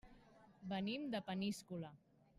Venim de Peníscola.